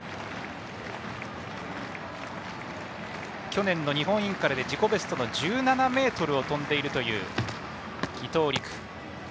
去年の日本インカレ自己ベストの１７ｍを跳んでいるという伊藤陸。